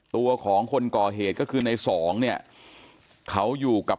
ตัวของคนก่อเหตุก็คือในสองเนี่ยเขาอยู่กับ